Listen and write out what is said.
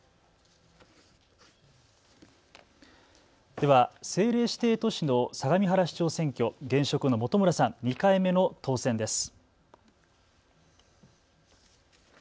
では政令指定都市の相模原市長選挙、現職の本村さん、２回目の当選です。